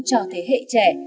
cho thế hệ trẻ